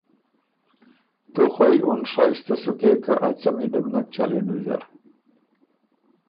تُو خوئ اُن شائستۀ سُکې که ا څمی ده بو نک چلېن ویزر۔